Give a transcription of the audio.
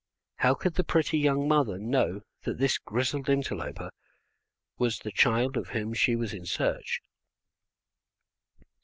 How could the pretty young mother know that this grizzled interloper was the child of whom she was in search?